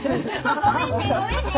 ごめんねごめんね。